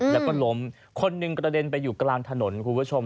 แล้วก็ล้มคนหนึ่งกระเด็นไปอยู่กลางถนนคุณผู้ชม